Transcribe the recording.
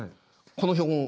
この標本。